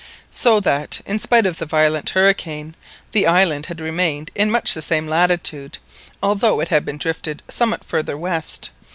So that, in spite of the violence of the hurricane, the island had remained in much the same latitude, although it had been drifted somewhat farther west.